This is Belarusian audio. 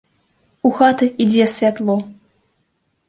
У хаты ідзе святло.